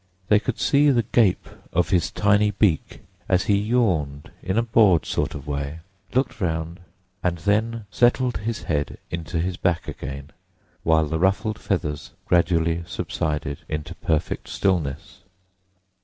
They could see the gape of his tiny beak as he yawned in a bored sort of way, looked round, and then settled his head into his back again, while the ruffled feathers gradually subsided into perfect stillness.